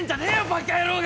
バカ野郎が！